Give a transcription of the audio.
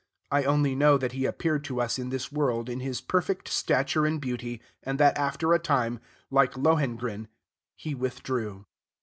I only know that he appeared to us in this world in his perfect stature and beauty, and that after a time, like Lohengrin, he withdrew.